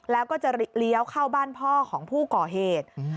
แล้วก็จะเลี้ยวเข้าบ้านพ่อของผู้ก่อเหตุ